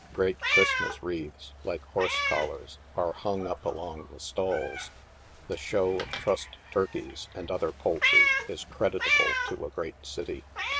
Great Christmas wreaths, like horse collars, are hung up alono the stalls. The show of trussed turkeys, and other poultry, is creditable to a great city.